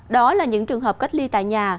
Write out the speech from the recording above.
đó là những trường hợp cách ly tại nhà